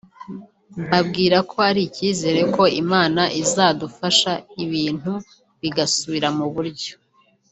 mbabwira ko hari icyizere ko Imana izadufasha ibintu bigasubira mu buryo